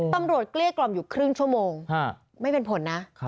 เกลี้ยกล่อมอยู่ครึ่งชั่วโมงไม่เป็นผลนะ